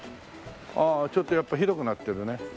ああちょっとやっぱ広くなってるね。